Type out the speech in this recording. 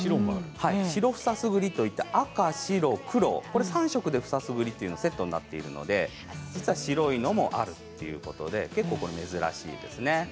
シロフサスグリといって赤、白、黒３色でフサスグリというのがセットになっているので実は白いのもあるということで結構、珍しいですね。